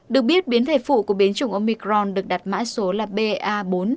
được biết biến thể phụ của biến chủng omicron được đặt mã số là ba bốn